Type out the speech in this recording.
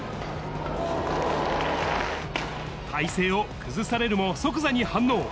体勢を崩されるも、即座に反応。